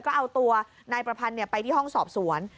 ก็เอาตัวนายประพันธ์ไปที่ห้องสอบสวน